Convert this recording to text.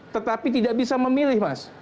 tetapi tidak bisa memilih mas